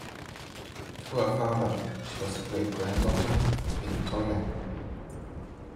Through her father, she was a great-granddaughter of Queen Victoria.